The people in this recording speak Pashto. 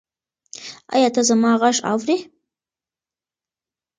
ایا ته زما غږ اورې؟